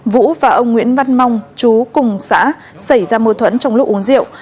vũ và ông nguyễn văn mong chú cùng xã xảy ra mâu thuẫn trong lúc uống rượu